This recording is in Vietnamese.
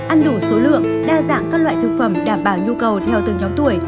ăn đủ số lượng đa dạng các loại thực phẩm đảm bảo nhu cầu theo từng nhóm tuổi